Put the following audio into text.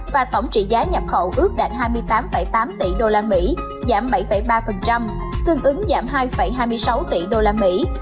và tổng trị giá nhập khẩu ước đạt hai mươi tám tám tỷ đô la mỹ giảm bảy ba tương ứng giảm hai hai mươi sáu tỷ đô la mỹ